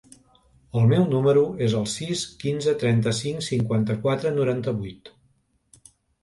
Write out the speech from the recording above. El meu número es el sis, quinze, trenta-cinc, cinquanta-quatre, noranta-vuit.